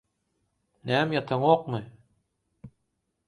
Näme ýataňokmy?